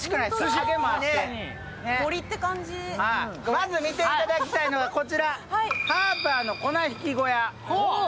まず見ていただきたいのはこちら、ハーパーの粉ひき小屋。